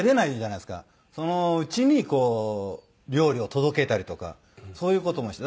その家に料理を届けたりとかそういう事もして。